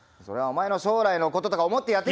それはお前の将来のこととか思って。